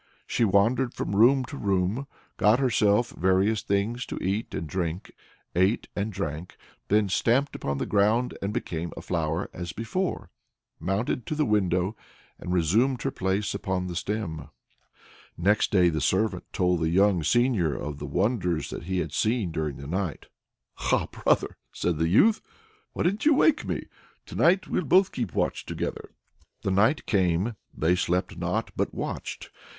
She wandered from room to room, got herself various things to eat and drink, ate and drank, then stamped upon the ground and became a flower as before, mounted to the window, and resumed her place upon the stem. Next day the servant told the young seigneur of the wonders which he had seen during the night. "Ah, brother!" said the youth, "why didn't you wake me? To night we'll both keep watch together." The night came; they slept not, but watched.